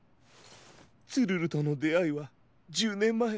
ツルルとのであいは１０ねんまえ。